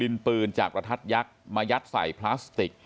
ปืนจากประทัดยักษ์มายัดใส่พลาสติก